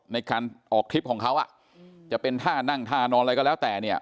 ในการออกทริปของเขาอ่ะจะเป็นท่านั่งท่านอนอะไรก็แล้วแต่เนี่ย